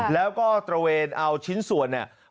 แล้วก็ตระเวนเอาชิ้นส่วนเนี่ย